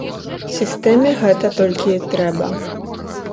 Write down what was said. Сістэме гэта толькі і трэба.